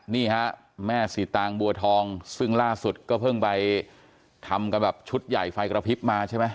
นี่ฮะแม่สีตางบัวทองซึ่งล่าสุดก็เพิ่งไปทำกันแบบชุดใหญ่ไฟกระพริบมาใช่ไหม